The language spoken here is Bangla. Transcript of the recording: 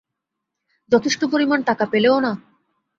যথেষ্ট পরিমাণ টাকা পেলেও না?